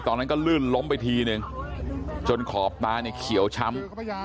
ตอนนั้นก็ลื่นล้มไปทีนึงจนขอบตาเนี่ยเขียวช้ำ